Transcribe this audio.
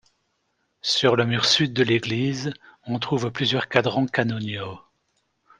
Sur le mur sud de l'église, on trouve plusieurs cadrans canoniaux.